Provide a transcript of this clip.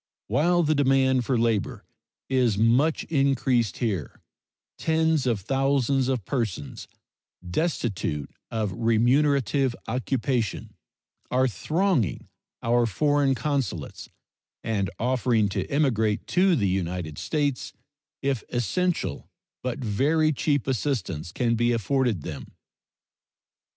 While the demand for labor is much increased here, tens of thousands of persons, destitute of remunerative occupation, are thronging our foreign consulates and offering to emigrate to the United States if essential, but very cheap, assistance can be afforded them.